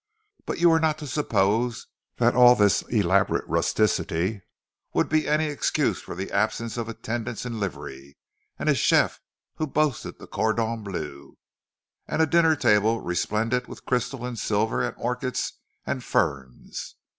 But you were not to suppose that all this elaborate rusticity would be any excuse for the absence of attendants in livery, and a chef who boasted the cordon bleu, and a dinner table resplendent with crystal and silver and orchids and ferns.